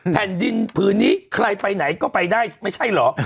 แผ่นดินผืนนี้ใครไปไหนก็ไปได้ไม่ใช่เหรอ